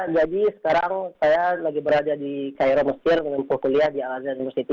jadi sekarang saya lagi berada di cairo mesir dengan pukulia di al azhar university